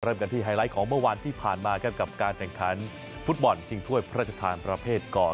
เริ่มกันที่ไฮไลท์ของเมื่อวานที่ผ่านมาครับกับการแข่งขันฟุตบอลชิงถ้วยพระราชทานประเภทก่อน